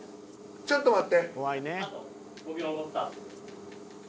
ちょっと待って。